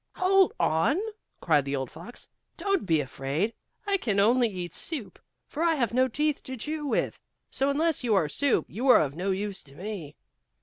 "Hold on!" cried the old fox, "don't be afraid. I can only eat soup, for I have no teeth to chew with, so unless you are soup you are of no use to me."